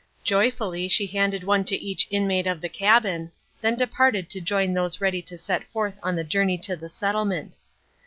Joyfully she handed one to each inmate of the cabin, then departed to join those ready to set forth on the journey to the settlement.